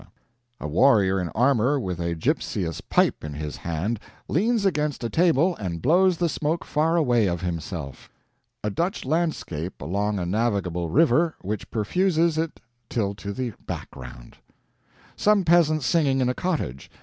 "A warrior in armor with a gypseous pipe in his hand leans against a table and blows the smoke far away of himself." "A Dutch landscape along a navigable river which perfuses it till to the background." "Some peasants singing in a cottage.